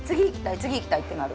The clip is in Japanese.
次いきたいってなる